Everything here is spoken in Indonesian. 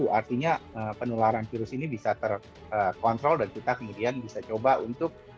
artinya penularan virus ini bisa terkontrol dan kita kemudian bisa coba untuk